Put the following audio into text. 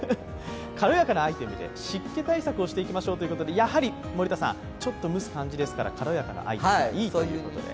軽やかなアイテムで湿気対策をしていきましょうということでやはりちょっと蒸す感じですから、軽やかな感じがいいということで。